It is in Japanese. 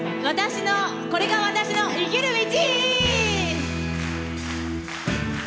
「これが私の生きる道」。